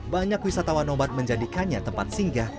banyak wisatawan nobat menjadikannya tempat singgah